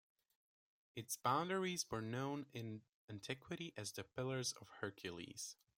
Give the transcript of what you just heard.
Its boundaries were known in antiquity as the Pillars of Hercules.